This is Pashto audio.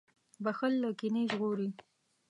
• بښل له کینې ژغوري.